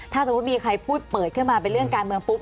ถ้าสมมุติมีใครพูดเปิดขึ้นมาเป็นเรื่องการเมืองปุ๊บ